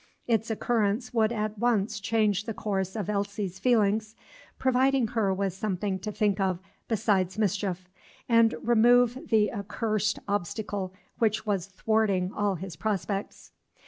Its occurrence would at once change the course of Elsie's feelings, providing her with something to think of besides mischief, and remove the accursed obstacle which was thwarting all his own projects.